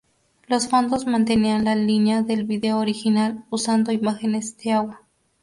Los fondos mantenían la línea del video original, usando imágenes de agua.